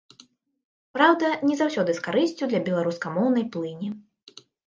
Праўда, не заўсёды з карысцю для беларускамоўнай плыні.